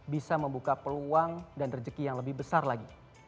bisa membuka peluang dan rezeki yang lebih besar lagi